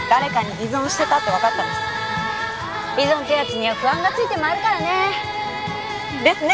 依存ってやつには不安がついて回るからね。ですね。